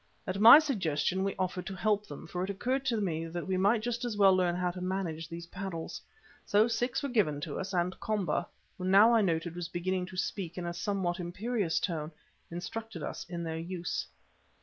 At my suggestion we offered to help them, for it occurred to me that we might just as well learn how to manage these paddles. So six were given to us, and Komba, who now I noted was beginning to speak in a somewhat imperious tone, instructed us in their use.